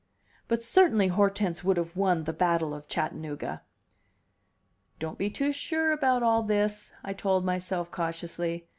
But certainly Hortense would have won the battle of Chattanooga! "Don't be too sure about all this," I told myself cautiously.